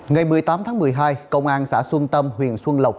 ngày một mươi tám tháng một mươi hai công an xã xuân tâm huyện xuân lộc